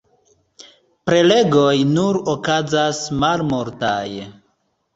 Prelegoj nur okazas malmultaj.